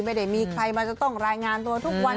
ไม่ได้มีใครมาจะต้องรายงานตัวทุกวัน